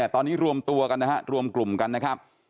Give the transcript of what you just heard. ตอนนี้รวมกลุ่มครับ